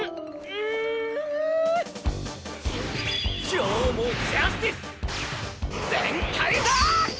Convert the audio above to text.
今日もジャスティスぜんかいだ！